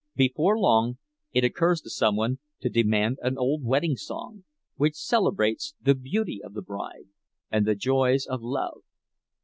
Before long it occurs to some one to demand an old wedding song, which celebrates the beauty of the bride and the joys of love.